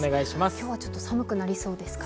今日はちょっと寒くなりそうですかね。